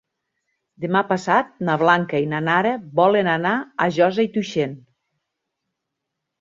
Demà passat na Blanca i na Nara volen anar a Josa i Tuixén.